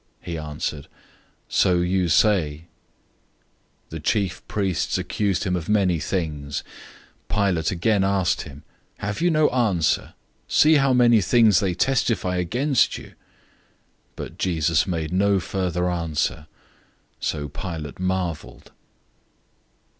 He answered, "So you say." 015:003 The chief priests accused him of many things. 015:004 Pilate again asked him, "Have you no answer? See how many things they testify against you!" 015:005 But Jesus made no further answer, so that Pilate marveled.